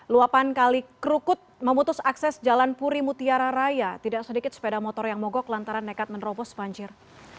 luapan kali krukut memutus akses jalan puri mutiara raya tidak sedikit sepeda motor yang mogok lantaran nekat menerobos banjir